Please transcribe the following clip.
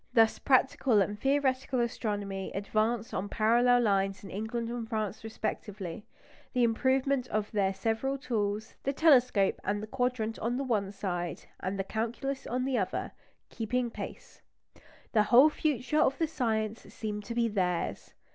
Thus practical and theoretical astronomy advanced on parallel lines in England and France respectively, the improvement of their several tools the telescope and the quadrant on the one side, and the calculus on the other keeping pace. The whole future of the science seemed to be theirs.